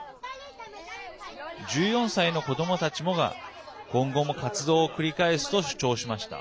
１４歳の子どもたちもが今後も活動を繰り返すと主張しました。